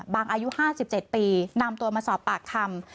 อายุ๕๗ปีนำตัวมาสอบปากคำ